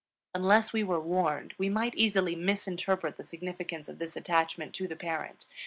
Unless we were warned, we might easily misinterpret the significance of this attachment to the parent.